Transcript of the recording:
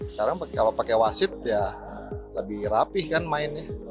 sekarang kalau pakai wasit ya lebih rapih kan mainnya